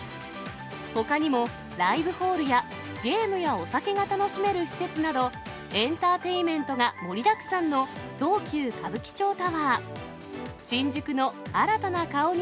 ほかにもライブホールや、ゲームやお酒が楽しめる施設など、エンターテインメントが盛りだくさんの東急歌舞伎町タワー。